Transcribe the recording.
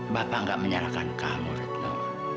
bapak gak menyalahkan kamu retno